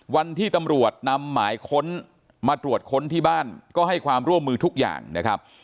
วันที่ตำรวจนำหมายค้นมาตรวจค้นที่บ้านก็ให้ความร่วมมือทุกอย่างนะครับ